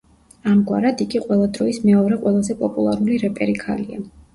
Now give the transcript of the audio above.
ამგვარად, იგი ყველა დროის მეორე ყველაზე პოპულარული რეპერი ქალია.